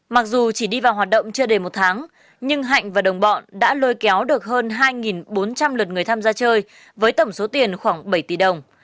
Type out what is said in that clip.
mặc dù chỉ đi vào hoạt động chưa đầy một tháng nhưng hạnh và đồng bọn đã lôi kéo được hơn hai bốn trăm linh lượt người tham gia chơi với tổng số tiền khoảng bảy tỷ đồng